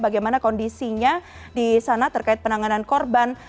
bagaimana kondisinya di sana terkait penanganan korban